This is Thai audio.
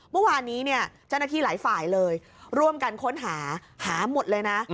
เมื่อวานนี้เนี่ยเจ้าหน้าที่หลายฝ่ายเลยร่วมกันค้นหาหาหมดเลยนะ